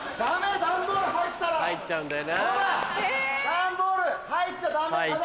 段ボール入っちゃダメ！